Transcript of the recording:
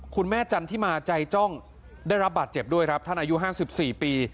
จันทิมาใจจ้องได้รับบาดเจ็บด้วยครับท่านอายุ๕๔ปี